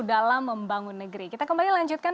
dalam membangun negeri kita kembali lanjutkan